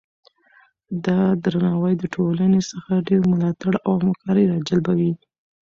دا درناوی د ټولنې څخه ډیر ملاتړ او همکاري راجلبوي.